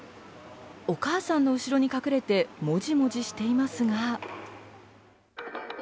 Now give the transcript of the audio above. お母さんの後ろに隠れて、もじもじしていますが。